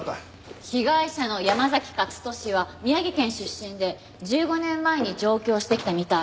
被害者の山崎勝利は宮城県出身で１５年前に上京してきたみたい。